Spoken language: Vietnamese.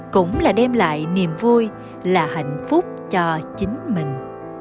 cũng là đem lại niềm vui là hạnh phúc cho chính mình